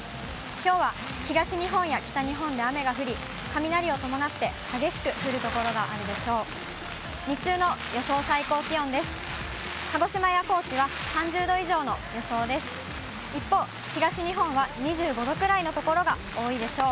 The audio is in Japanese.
きょうは東日本や北日本で雨が降り、雷を伴って激しく降る所があるでしょう。